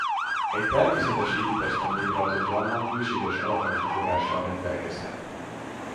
Egy természetes égitesten létrehozott gyarmat bőséges alapanyag forrással rendelkezhet.